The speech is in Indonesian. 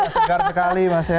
segar sekali mas ya